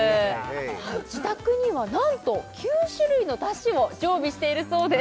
自宅にはなんと９種類の出汁を常備しているそうです